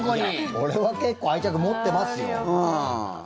俺は結構、愛着持ってますよ。